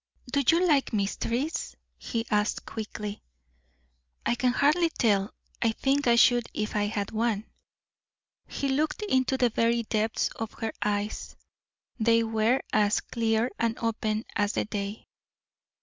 "Do you like mysteries?" he asked, quickly. "I can hardly tell; I think I should if I had one." He looked into the very depths of her eyes they were as clear and open as the day.